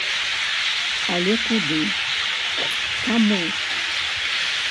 Але куды, к каму?